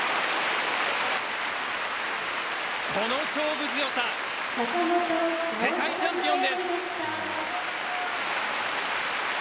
この勝負強さ世界チャンピオンです！